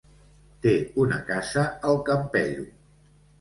Té una casa al Campello.